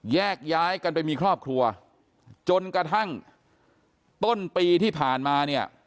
แยกย้ายกันไปมีครอบครัวจนกระทั่งต้นปีที่ผ่านมาเนี่ย